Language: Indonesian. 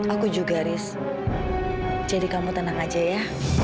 aku juga riz jadi kamu tenang saja ya